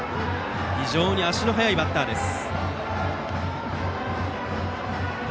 非常に足の速いバッターです。